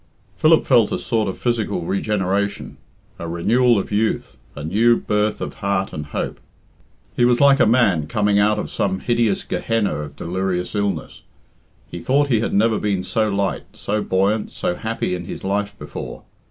Philip felt a sort of physical regeneration, a renewal of youth, a new birth of heart and hope. He was like a man coming out of some hideous Gehenna of delirious illness; he though he had never been so light, so buoyant, so happy in his life before.